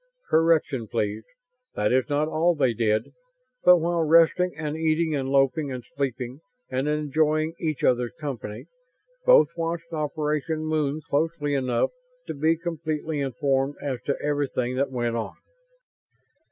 Correction, please. That was not all they did. But while resting and eating and loafing and sleeping and enjoying each other's company, both watched Operation Moon closely enough to be completely informed as to everything that went on.